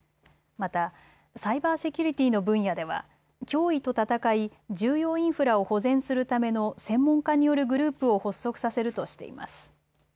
またサイバーセキュリティーの分野では脅威と戦い重要インフラを保全するための専門家によるグループを発足させるとしています。